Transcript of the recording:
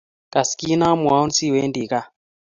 kas kinamwaun siwendi kaa